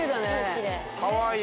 かわいい！